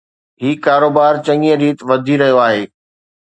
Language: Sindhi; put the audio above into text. هي ڪاروبار چڱي ريت وڌي رهيو آهي.